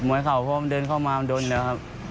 วยเข่าเพราะมันเดินเข้ามามันโดนแล้วครับ